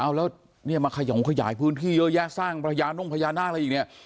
เอาแล้วเนี่ยมาขยงขยายพื้นที่เยอะแยะสร้างพระยานุ่งพญานาคอะไรอีกเนี่ย